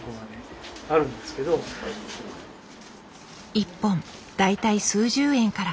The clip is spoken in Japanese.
１本大体数十円から。